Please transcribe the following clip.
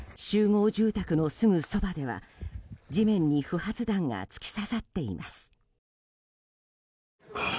集合住宅のすぐそばでは地面に不発弾が突き刺さっています。